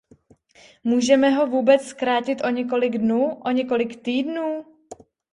Můžeme ho vůbec zkrátit o několik dnů, o několik týdnů?